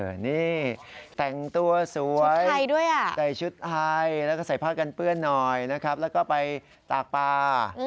นี่แต่งตัวสวยด้วยอ่ะใส่ชุดไทยแล้วก็ใส่ผ้ากันเปื้อนหน่อยนะครับแล้วก็ไปตากปลา